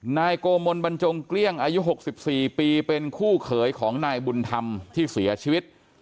นายโกมลบรรจงเกลี้ยงอายุ๖๔ปีเป็นคู่เขยของนายบุญธรรมที่เสียชีวิต